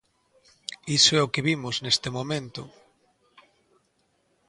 Iso é o que vimos neste momento.